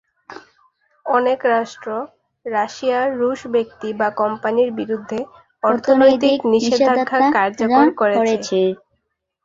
অনেক রাষ্ট্র রাশিয়া, রুশ ব্যক্তি বা কোম্পানির বিরুদ্ধে অর্থনৈতিক নিষেধাজ্ঞা কার্যকর করেছে।